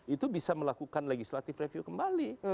itu bisa melakukan legislative review kembali